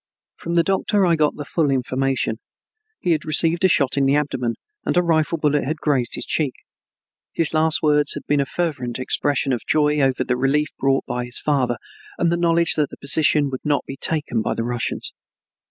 From the doctor I got the full information. He had received a shot in the abdomen and a rifle bullet had grazed his cheek. His last words had been a fervent expression of joy over the relief brought by his father and the knowledge that the position would not be taken by the Russians.